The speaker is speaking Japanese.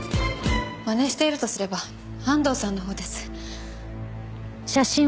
まねしているとすれば安藤さんのほうです。